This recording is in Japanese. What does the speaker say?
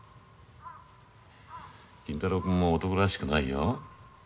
金太郎君も男らしくないよ。